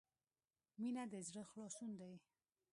• مینه د زړۀ خلاصون دی.